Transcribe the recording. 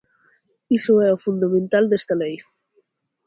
Iso é o fundamental desta lei.